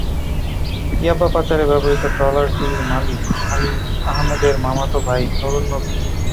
ইয়াবা পাচারে ব্যবহৃত ট্রলারটির মালিক আলী আহমেদের মামাতো ভাই নুরুন নবী।